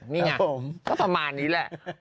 นี่ไงก็ประมาณนี้แหละ